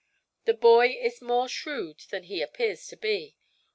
The boy is more shrewd than he appears to be.